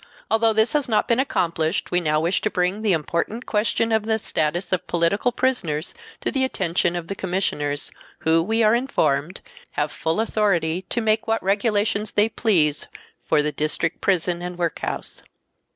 Although this has not been accomplished we now wish to bring the important question of the status of political prisoners to the attention of the commissioners, who, we are informed, have full authority to make what regulations they please for the :District prison and workhouse.